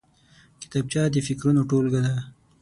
کتابچه د فکرونو ټولګه ده